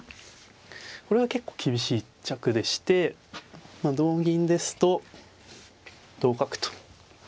これは結構厳しい一着でして同銀ですと同角と。